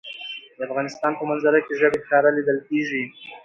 د افغانستان په منظره کې ژبې ښکاره لیدل کېږي.